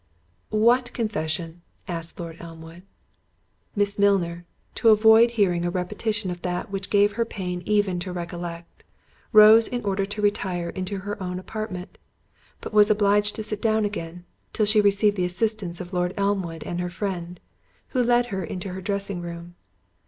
"What confession?" asked Lord Elmwood. Miss Milner, to avoid hearing a repetition of that which gave her pain even to recollect, rose in order to retire into her own apartment, but was obliged to sit down again, till she received the assistance of Lord Elmwood and her friend, who led her into her dressing room.